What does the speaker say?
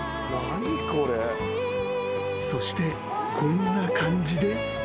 ［そしてこんな感じで］